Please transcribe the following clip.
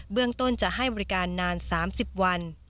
เรื่องต้นจะให้บริการนาน๓๐วัน